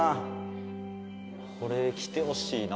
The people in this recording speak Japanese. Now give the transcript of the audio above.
これ来てほしいな。